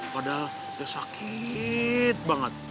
padahal dia sakit banget